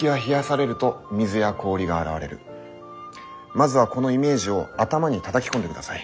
まずはこのイメージを頭にたたき込んでください。